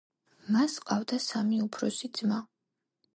მას ჰყავდა სამი უფროსი ძმა.